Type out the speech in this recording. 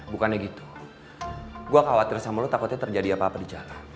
bukannya gitu gue khawatir sama lo takutnya terjadi apa apa di jalan